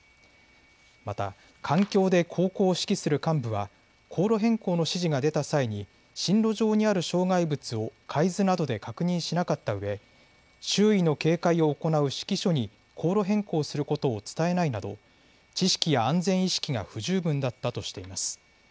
また艦橋で航行を指揮する幹部は航路変更の指示が出た際に針路上にある障害物を海図などで確認しなかったうえ周囲の警戒を行う指揮所に航路変更することを伝えないなど知識や安全意識が不十分だったとしています。